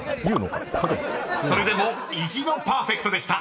［それでも意地のパーフェクトでした］